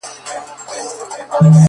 • خپل د لاس څخه اشـــنــــــا ـ